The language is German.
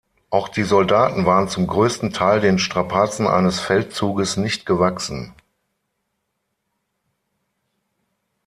Auch die Soldaten waren zum größten Teil den Strapazen eines Feldzuges nicht gewachsen.